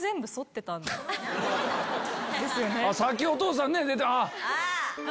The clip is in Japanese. さっきお父さん出て。